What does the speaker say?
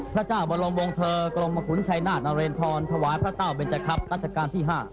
พระเจ้าบลงวงเทอร์กรมคุณชัยหน้านเรนทรถวายพระเต้าเบนเจศครัพท์รัฐกาลที่๕